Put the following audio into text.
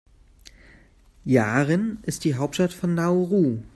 Yaren ist die Hauptstadt von Nauru.